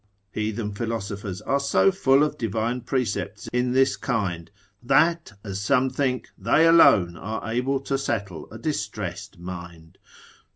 Heathen philosophers arc so full of divine precepts in this kind, that, as some think, they alone are able to settle a distressed mind.